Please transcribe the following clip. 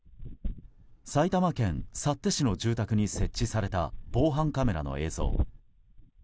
埼玉県幸手市の住宅に設置された防犯カメラの映像。